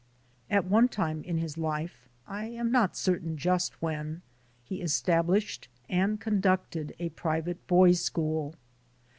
At one time in his life, I am not certain just when, he established and conducted a private boys' school.